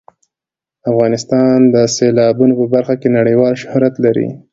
افغانستان د سیلابونه په برخه کې نړیوال شهرت لري.